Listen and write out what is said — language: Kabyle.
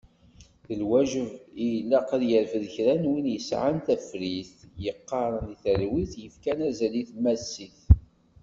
D lwaǧeb i ilaq ad yerfed kra n win yesεan tafrit, yeɣɣaren i talwit, yefkan azal i tmasit.